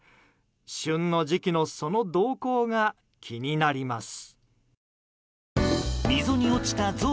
旬の時期のその動向が気になります。